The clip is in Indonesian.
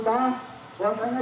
sekarang kita depannya